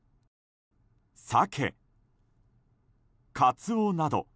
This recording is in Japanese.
サケ、カツオなど。